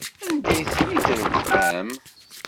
Anda ay ten-id-tṛebbam?